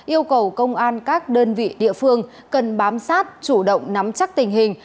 yêu cầu công an các đơn vị địa phương cần bám sát chủ động nắm chắc tình hình